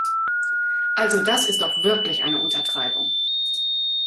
Also das ist doch wirklich eine Untertreibung!